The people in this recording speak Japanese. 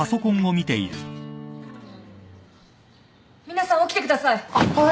皆さん起きてください！